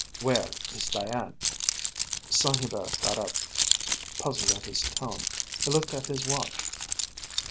"Where is Diane?" Saint Hubert got up, puzzled at his tone. He looked at his watch.